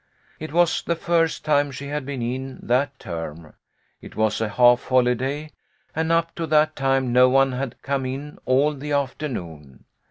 It was the first time she had been in that term. It was a half holiday, and up to that time no one had come in all the afternoon.